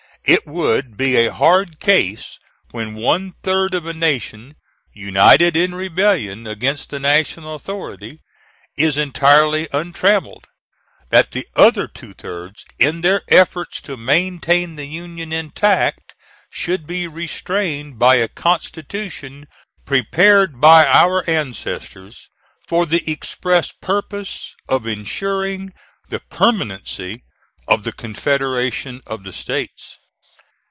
It would be a hard case when one third of a nation, united in rebellion against the national authority, is entirely untrammeled, that the other two thirds, in their efforts to maintain the Union intact, should be restrained by a Constitution prepared by our ancestors for the express purpose of insuring the permanency of the confederation of the States.